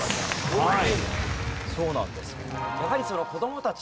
はい。